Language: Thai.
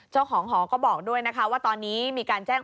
เจ้าของหอก็บอกด้วยนะคะว่าตอนนี้มีการแจ้ง